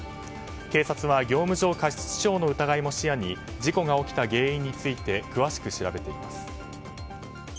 警察は業務上過失致傷の疑いも視野に事故が起きた原因について詳しく調べています。